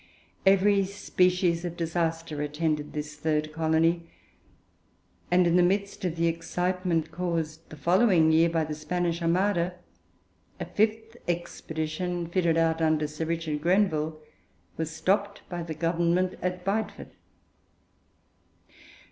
Every species of disaster attended this third colony, and in the midst of the excitement caused the following year by the Spanish Armada, a fifth expedition, fitted out under Sir Richard Grenville, was stopped by the Government at Bideford.